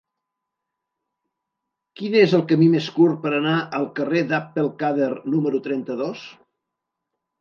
Quin és el camí més curt per anar al carrer d'Abd el-Kader número trenta-dos?